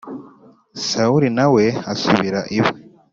Sawuli na we asubira iwe